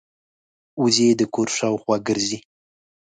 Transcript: وزې د کور شاوخوا ګرځي